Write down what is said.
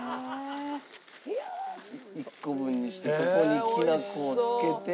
一個分にしてそこにきな粉を付けて。